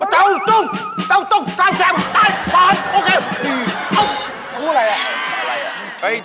เจ้าตุ้งเจ้าตุ้งตามแสบตามแสบตามแสบ